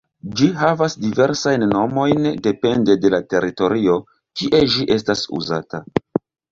Ĝi havas diversajn nomojn depende de la teritorio kie ĝi estas uzata.